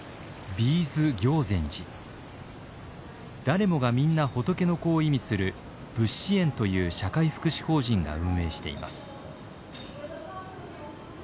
「誰もがみんな仏の子」を意味する佛子園という社会福祉法人が運営しています。